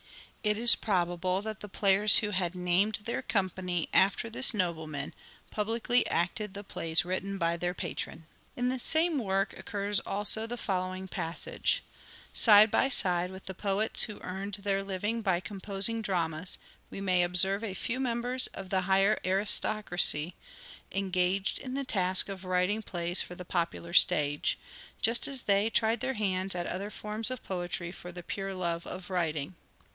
It is probable that the players who MANHOOD OF DE VERE : MIDDLE PERIOD 317 had named their company after this nobleman publicly acted the plays written by their patron." In the same work occurs also the following passage :" Side by side with the poets who earned their living by composing dramas we may observe a few members of the higher aristocracy engaged in the task of writing plays for the popular stage, just as they tried their hands at other forms of poetry for the pure love of writing.